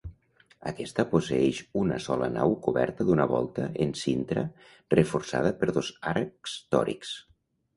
Aquesta posseeix una sola nau coberta d'una volta en cintra reforçada per dos arcs tòrics.